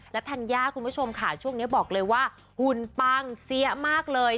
และธัญญาคุณผู้ชมค่ะช่วงนี้บอกเลยว่าหุ่นปังเสียมากเลย